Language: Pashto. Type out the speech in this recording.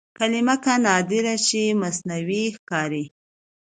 کلمه که نادره شي مصنوعي ښکاري.